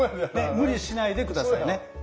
無理しないで下さいね。